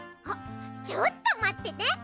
あっちょっとまってて。